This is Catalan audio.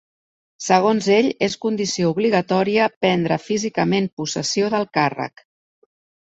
Segons ell, és condició obligatòria prendre físicament possessió del càrrec.